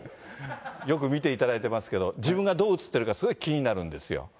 よく見ていただいてますけど、自分がどう映ってるか、すごい気になるんですよ。